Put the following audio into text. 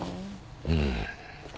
うん。